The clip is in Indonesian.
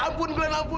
ampun klen ampun ampun